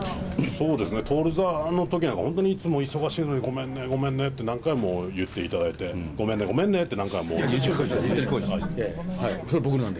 そうですね、徹さん、あのときなんか本当にいつも忙しいのに、ごめんね、ごめんねって何回も言っていただいて、ごめんね、ごめそれ僕のなんで。